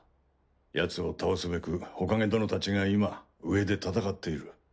ヤツを倒すべく火影殿たちが今上で戦っている。